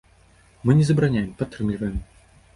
Мы не забараняем, падтрымліваем.